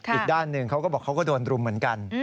อีกด้านหนึ่งเขาก็บอกเขาก็โดนรุมเหมือนกัน